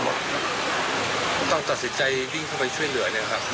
วงใจครับ